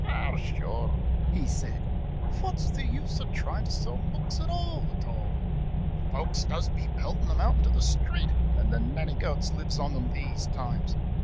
"Ah, sure," he said, "fwhat's the use uv tryin' to sell books at all, at all; folks does be peltin' them out into the street, and the nanny goats lives on them these times.